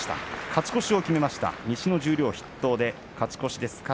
勝ち越しを決めました十両筆頭で勝ち越しです。